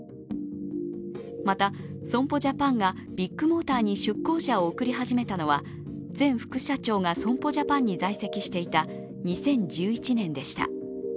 また、損保ジャパンがビッグモーターに出向者を送り始めたのは前副社長が損保ジャパンに在籍していた２０１１年でした。